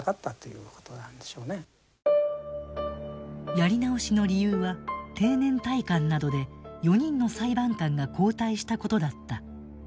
やり直しの理由は定年退官などで４人の裁判官が交代したことだった。